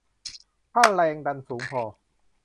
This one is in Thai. ถ้าแรงดันสูงพอ